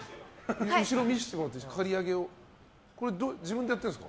後ろ見せてもらってもいいですか。